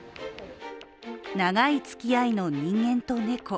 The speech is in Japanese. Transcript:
長いつきあいの人間と猫。